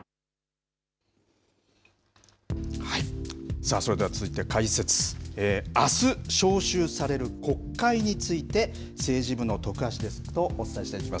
さあそれでは続いて解説あす召集される国会について政治部の徳橋デスクとお伝えしていきます。